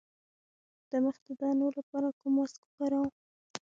د مخ د دانو لپاره کوم ماسک وکاروم؟